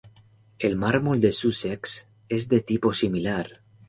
El mármol de Sussex es de tipo similar.